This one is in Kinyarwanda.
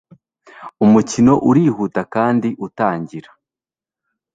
umukino urihuta kandi utangira